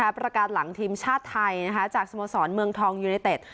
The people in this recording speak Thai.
ประกาศหลังทีมชาติไทยจากสโมสรเมืองทองยูเนเต็ด